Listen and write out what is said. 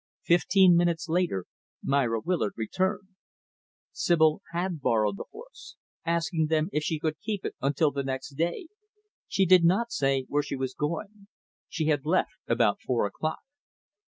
Fifteen minutes later, Myra Willard returned. Sibyl had borrowed the horse; asking them if she might keep it until the next day. She did not say where she was going. She had left about four o'clock.